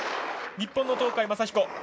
日本の東海将彦